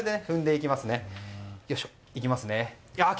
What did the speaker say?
いきます！